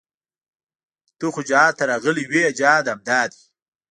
ته خو جهاد ته راغلى وې جهاد همدا دى.